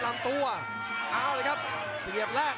หัวจิตหัวใจแก่เกินร้อยครับ